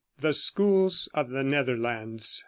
THE SCHOOLS OF THE NETHERLANDS.